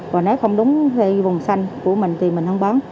và nếu không đúng vùng xanh của mình thì mình không bán